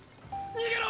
逃げろ！